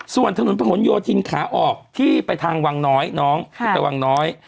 ส่วนถนนผนโยธินขาออกที่ไปทางวังน้อยน้องที่ไปวังน้อย